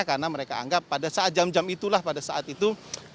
karena mereka anggap pada saat jam jam itulah pada saat itu